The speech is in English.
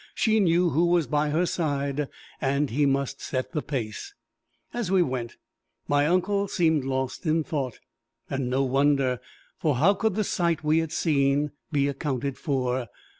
She knew who was by her side, and he must set the pace! As we went my uncle seemed lost in thought and no wonder! for how could the sight we had seen be accounted for!